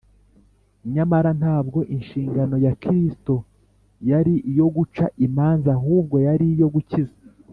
Nyamara ntabwo inshingano ya Kristo yari iyo guca imanza ahubwo yari iyo gukiza.